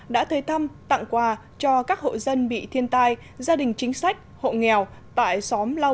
đã tới thăm tặng quà cho các hộ dân bị thiên tai gia đình chính sách hộ nghèo tại xóm lau